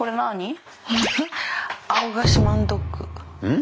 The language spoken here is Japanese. ん？